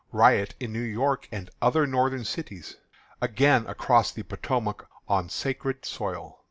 Riot in New York and other Northern Cities. Again Across the Potomac on "Sacred Soil."